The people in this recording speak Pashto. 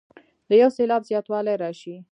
د یو سېلاب زیاتوالی راشي.